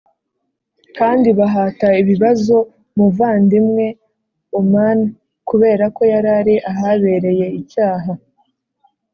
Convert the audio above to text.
kandi bahata ibibazo umuvandimwe Oman kuberako yarari ahabereye icyaha